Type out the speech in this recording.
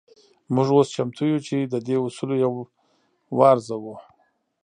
موږ اوس چمتو يو چې د دې اصولو يو وارزوو.